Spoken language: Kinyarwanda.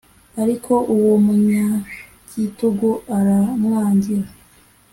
ariko uwo munyagitugu aramwangira